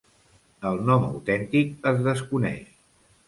El nom autèntic es desconeix.